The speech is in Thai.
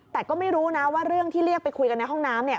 แต่ก็ไม่รู้นะว่าเรื่องที่เรียกไปคุยกันในห้องน้ำเนี่ย